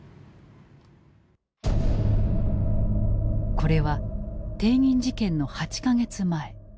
これは帝銀事件の８か月前。